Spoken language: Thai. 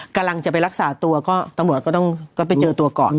กำลังจะไปรักษาตัวก็ตำรวจก็ต้องไปเจอตัวก่อน